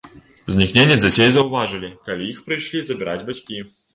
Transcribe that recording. Знікненне дзяцей заўважылі, калі іх прыйшлі забіраць бацькі.